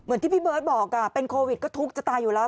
ที่พี่เบิร์ตบอกเป็นโควิดก็ทุกข์จะตายอยู่แล้ว